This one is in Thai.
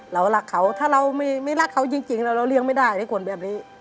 เรารักเขาถ้าเราไม่รักเขาจริงแล้วเราเลี้ยงไม่ได้ในคนแบบนี้